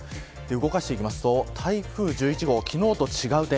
動かしていくと台風１１号、昨日と違う点